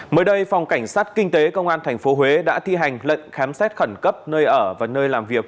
mới đây phòng cảnh sát kinh tế công an tp huế đã thi hành lệnh khám xét khẩn cấp nơi ở và nơi làm việc